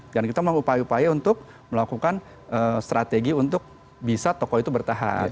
dan kita mau upaya upaya untuk melakukan strategi untuk bisa toko itu bertahan